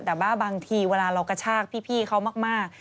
แต่ว่าบางทีเวลาเรากระชากพี่เขามาก